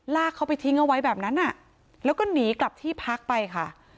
ลากเขาไปทิ้งเอาไว้แบบนั้นแล้วก็หนีกลับที่พักไปค่ะ